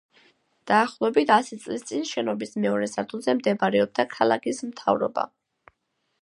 დაახლოებით ასი წლის წინ შენობის მეორე სართულზე მდებარეობდა ქალაქის მთავრობა.